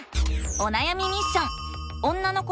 おなやみミッション！